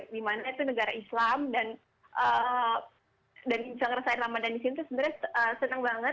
dimana itu negara islam dan bisa ngerasain ramadan disini sebenarnya senang banget